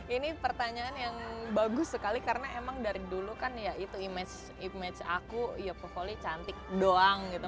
ini pertanyaan yang bagus sekali karena emang dari dulu kan ya itu image image aku ya pokoknya cantik doang gitu